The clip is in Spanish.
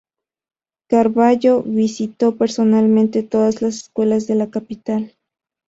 Carvallo visitó personalmente todas las escuelas de la capital.